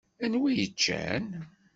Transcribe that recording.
Anwa i yeččan?